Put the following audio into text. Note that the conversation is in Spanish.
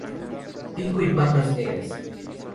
Pico y patas negras.